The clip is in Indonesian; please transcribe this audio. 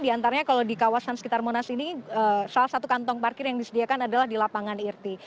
di antaranya kalau di kawasan sekitar monas ini salah satu kantong parkir yang disediakan adalah di lapangan irti